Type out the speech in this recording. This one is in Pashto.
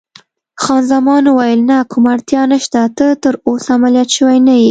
خان زمان وویل: نه، کومه اړتیا نشته، ته تراوسه عملیات شوی نه یې.